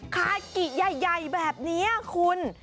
คากิใหญ่แบบนี้คุณ